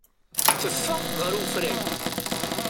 Teffeɣ ɣer ufrag.